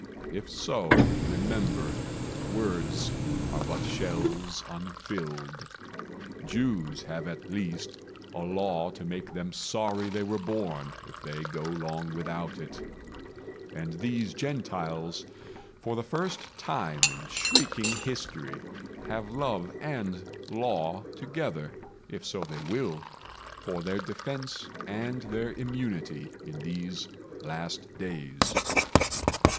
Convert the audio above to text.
If so, remember Words are but shells unfilled. Jews have at least A Law to make them sorry they were born If they go long without it; and these Gentiles, For the first time in shrieking history, Have love and law together, if so they will, For their defense and their immunity In these last days.